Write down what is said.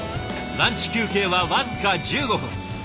ランチ休憩は僅か１５分。